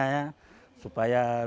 supaya membuatnya lebih mudah